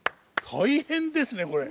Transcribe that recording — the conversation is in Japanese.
大変ですねこれ。